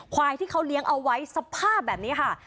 ควายที่เขาเลี้ยงเอาไว้สภาพแบบนี้ค่ะ